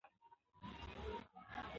سیندونه د افغان ماشومانو د زده کړې موضوع ده.